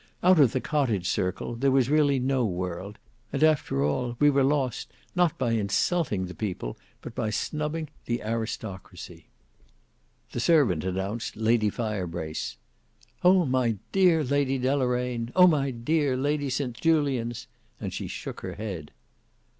Out of the cottage circle, there was really no world, and after all we were lost not by insulting the people but by snubbing the aristocracy." The servant announced Lady Firebrace. "Oh! my dear Lady Deloraine. Oh! my dear Lady St Julians!" and she shook her head.